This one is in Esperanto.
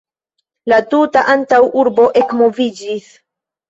La tuta antaŭurbo ekmoviĝis.